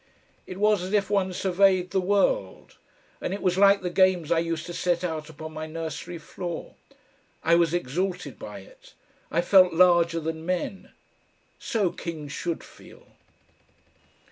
It was as if one surveyed the world, and it was like the games I used to set out upon my nursery floor. I was exalted by it; I felt larger than men. So kings should feel.